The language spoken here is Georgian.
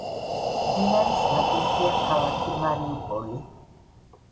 მდინარის ნაპირზეა ქალაქი მარიუპოლი.